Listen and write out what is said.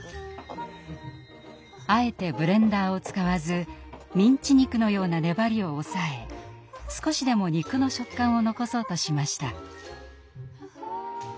あえてブレンダーを使わずミンチ肉のような粘りを抑え少しでも肉の食感を残そうとしました。